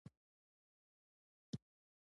د ښځو د حقونو نقض باید پای ته ورسېږي.